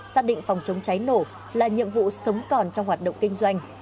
xác định phòng chống cháy nổ là nhiệm vụ sống còn trong hoạt động kinh doanh